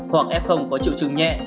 hoặc f có triệu chứng nhẹ